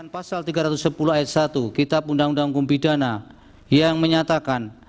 pasal tiga ratus sepuluh ayat satu kitab undang undang kumpidana yang menyatakan